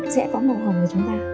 sẽ có màu hồng của chúng ta